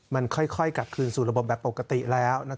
มันค่อยกลับคืนสู่ระบบแบบปกติแล้ว